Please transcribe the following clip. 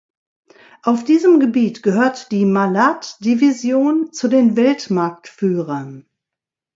Auf diesem Gebiet gehört die Malat Division zu den Weltmarktführern.